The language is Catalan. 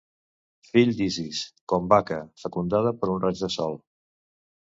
Fill d'Isis, com vaca, fecundada per un raig del Sol.